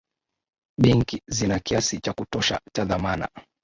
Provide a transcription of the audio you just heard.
benki zina kiasi cha kutosha cha dhamana